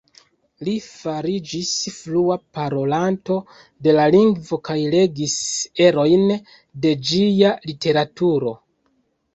Li fariĝis flua parolanto de la lingvo kaj legis erojn de ĝia literaturo.